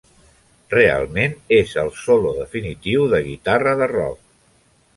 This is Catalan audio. Realment és el solo definitiu de guitarra de rock.